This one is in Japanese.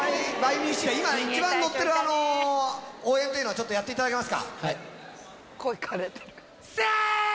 今一番乗ってるあの応援っていうのをちょっとやっていただけますか。